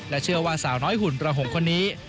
เชื่อว่าสาวน้อยหุ่นประหงษ์คนนี้